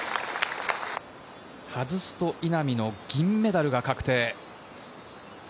外すと稲見の銀メダルが確定。